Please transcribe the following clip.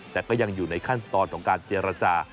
แต่ก็ยังอยู่ในขั้นตอนของการเจรจา